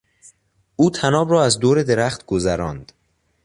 او طناب را از دور درخت گذراند.